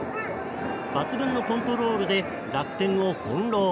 抜群のコントロールで楽天を翻弄。